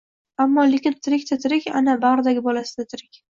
— Ammo-lekin... tirik-da, tirik! Ana, bag‘ridagi bolasi-da tirik!